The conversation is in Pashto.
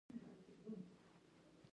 دا ځل د افغانستان وار دی